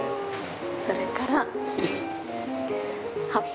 それから葉っぱ。